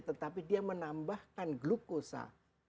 tetapi dia menambahkan glukosa